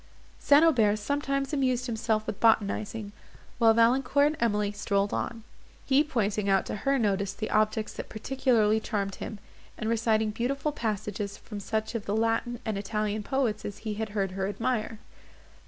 St. Aubert sometimes amused himself with botanizing, while Valancourt and Emily strolled on; he pointing out to her notice the objects that particularly charmed him, and reciting beautiful passages from such of the Latin and Italian poets as he had heard her admire.